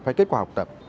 hay kết quả học tập